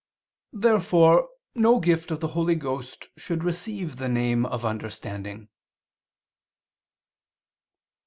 Therefore no gift of the Holy Ghost should receive the name of understanding.